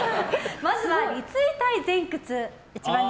まずは立位体前屈。